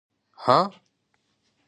_هه!